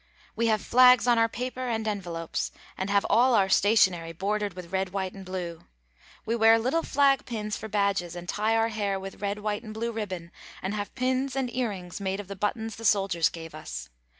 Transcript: We have flags on our paper and envelopes, and have all our stationery bordered with red, white and blue. We wear little flag pins for badges and tie our hair with red, white and blue ribbon and have pins and earrings made of the buttons the soldiers gave us.